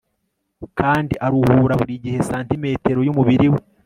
kandi aruhura buri santimetero yumubiri we